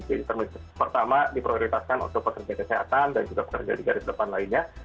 jadi termin pertama diprioritaskan untuk penyelidikan kesehatan dan juga pekerja di garis depan lainnya